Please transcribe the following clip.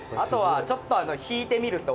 ちょっと引いて見ると。